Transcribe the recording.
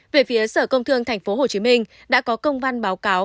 về phía sở công thương tp hcm đã có công văn báo cáo